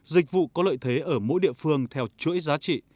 dịch vụ có lợi thế ở mỗi địa phương theo chuỗi giá trị